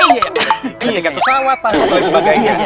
ketika pesawat dan lain sebagainya